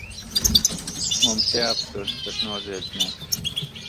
Mums jāaptur tas noziedznieks!